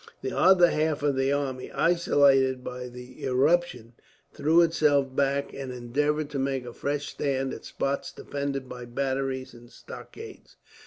The other half of the army, isolated by the irruption, threw itself back and endeavoured to make a fresh stand at spots defended by batteries and stockades.